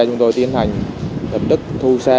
chúng tôi tiến hành tập đức thu xe